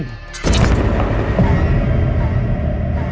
เต๋นนี่